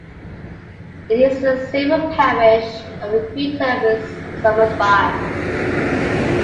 It is in the civil parish of Greetham with Somersby.